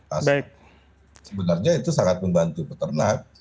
nah sebenarnya itu sangat membantu peternak